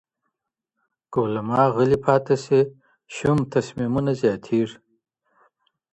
که علماء غلي پاتې سي شوم تصميمونه زياتيږي.